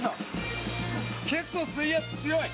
結構、水圧強い！